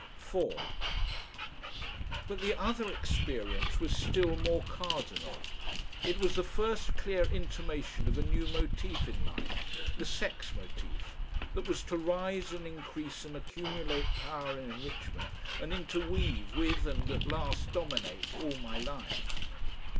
4 But the other experience was still more cardinal. It was the first clear intimation of a new motif in life, the sex motif, that was to rise and increase and accumulate power and enrichment and interweave with and at last dominate all my life.